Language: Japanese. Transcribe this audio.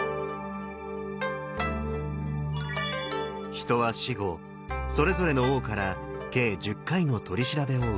人は死後それぞれの王から計１０回の取り調べを受けます。